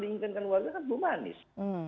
diinginkan warga kan bumanis